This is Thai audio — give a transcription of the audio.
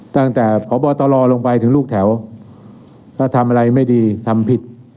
ตั้งแต่พบตรลงไปถึงลูกแถวถ้าทำอะไรไม่ดีทำผิด